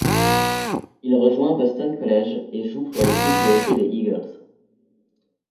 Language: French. Il rejoint Boston College et joue pour l'équipe de hockey des Eagles.